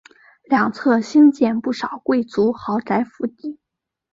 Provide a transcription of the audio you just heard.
两侧兴建不少贵族豪宅府邸。